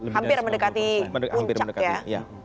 hampir mendekati puncak ya